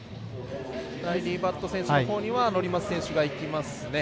ライリー・バット選手のほうには乗松選手がいきますね。